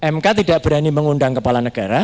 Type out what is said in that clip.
mk tidak berani mengundang kepala negara